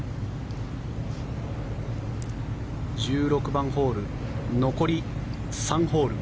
１６番ホール残り３ホール。